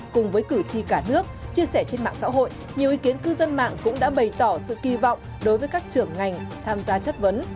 cùng với cử tri cả nước chia sẻ trên mạng xã hội nhiều ý kiến cư dân mạng cũng đã bày tỏ sự kỳ vọng đối với các trưởng ngành tham gia chất vấn